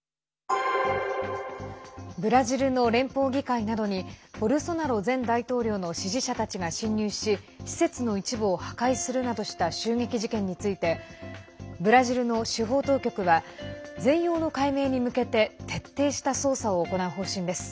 ブラジルの連邦議会などにボルソナロ前大統領の支持者たちが侵入し施設の一部を破壊するなどした襲撃事件についてブラジルの司法当局は全容の解明に向けて徹底した捜査を行う方針です。